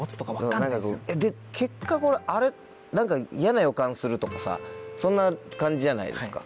で結果「あれ？何か嫌な予感する」とかさそんな感じじゃないですか。